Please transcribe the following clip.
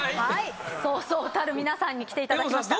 そうそうたる皆さんに来ていただきました。